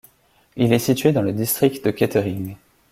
Il est situé dans le district de Kettering.